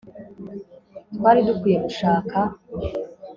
twari dukwiye gushaka